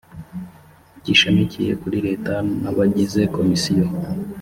gishamikiye kuri leta na abgize komisiyo